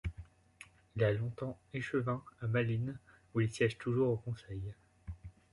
Il a longtemps échevin à Malines, où il siège toujours au conseil.